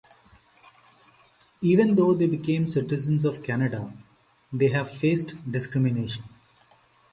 Even though they became citizens of Canada, they have faced discrimination.